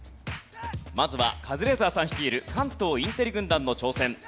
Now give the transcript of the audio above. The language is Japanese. まずはカズレーザーさん率いる関東インテリ軍団の挑戦。